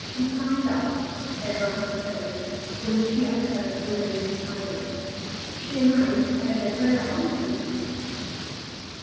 "It's Ida," Abraham said, when she herself remained silent. "She and I have had a rare hunt for you."